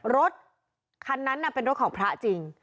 รถคันนั้นเป็นรถของพระจริง